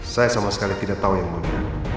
saya sama sekali tidak tahu yang mulia